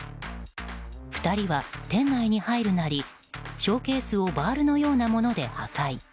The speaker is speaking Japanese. ２人は店内に入るなりショーケースをバールのようなもので破壊。